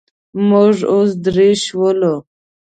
موږ اوس درې شولو.